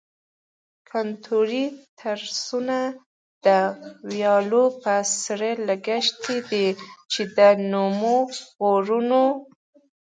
کنتوري تریسونه د ویالو په څیر لښتې دي چې د نرمو غرونو.